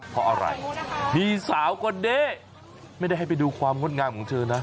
เพราะอะไรมีสาวก็เด้ไม่ได้ให้ไปดูความงดงามของเธอนะ